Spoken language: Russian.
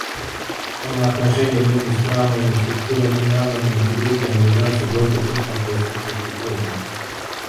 Взаимоотношения между страновыми структурами и названными субъектами нуждаются в более четком прояснении и укреплении.